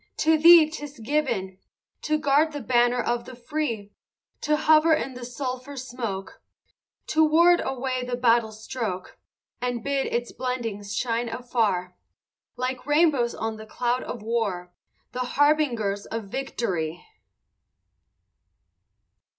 to thee 'tis given To guard the banner of the free, To hover in the sulphur smoke, To ward away the battle stroke, And bid its blendings shine afar, Like rainbows on the cloud of war, The harbingers of victory!